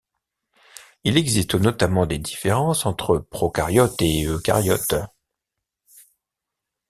Il existe notamment des différences entre procaryotes et eucaryotes.